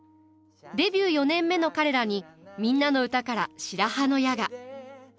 デビュー４年目の彼らに「みんなのうた」から白羽の矢が。